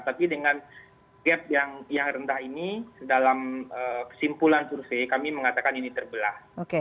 tapi dengan gap yang rendah ini dalam kesimpulan survei kami mengatakan ini terbelah